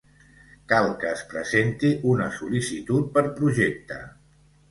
Cal que es presenti una sol·licitud per projecte.